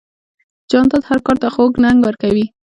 جانداد هر کار ته خوږ رنګ ورکوي.